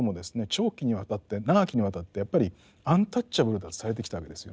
長期にわたって長きにわたってやっぱりアンタッチャブルだとされてきたわけですよね。